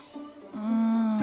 うん。